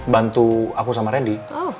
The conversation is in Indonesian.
bantu aku sama rendy